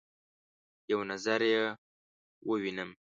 یو نظر يې ووینم